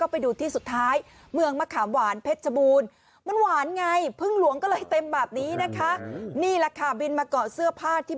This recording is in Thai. ไปดูที่สุดท้ายเมืองมะขามหวานเผ็ดฉบูนมันหวานไงภึงหลวงก็เลยเต็มแบบนี้